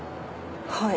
はい。